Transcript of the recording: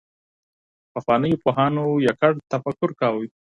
پخوانيو پوهانو يوازي تفکر کاوه.